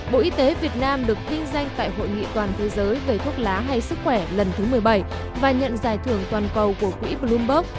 bộ y tế việt nam được kinh doanh tại hội nghị toàn thế giới về thuốc lá hay sức khỏe lần thứ một mươi bảy và nhận giải thưởng toàn cầu của quỹ bloomberg